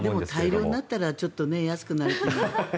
でも大漁になったらちょっと安くなっても。